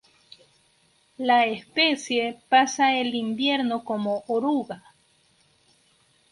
La especie pasa el invierno como oruga.